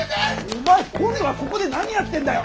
お前今度はここで何やってんだよ。